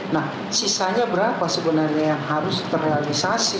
nah sisanya berapa sebenarnya yang harus terrealisasi